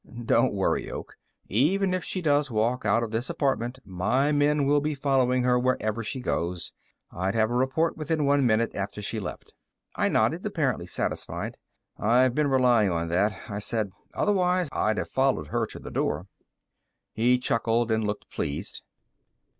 "Don't worry, Oak; even if she does walk out of this apartment, my men will be following her wherever she goes. I'd have a report within one minute after she left." I nodded, apparently satisfied. "I've been relying on that," I said. "Otherwise, I'd have followed her to the door." He chuckled and looked pleased.